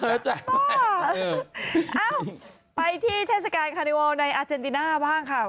เอ้าไปที่เทศกาลคาริวัลในอาเจนติน่าบ้างค่ะ